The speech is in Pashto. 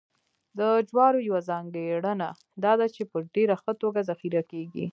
د جوارو یوه ځانګړنه دا ده چې په ډېره ښه توګه ذخیره کېږي